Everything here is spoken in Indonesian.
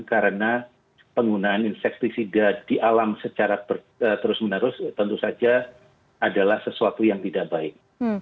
karena penggunaan insektrisida di alam secara terus menerus tentu saja adalah sesuatu yang tidak baik